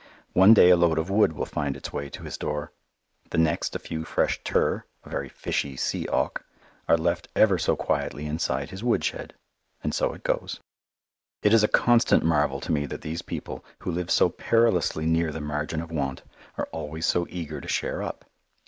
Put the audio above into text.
One day a load of wood will find its way to his door. The next a few fresh "turr," a very "fishy" sea auk, are left ever so quietly inside his woodshed and so it goes. It is a constant marvel to me that these people, who live so perilously near the margin of want, are always so eager to share up.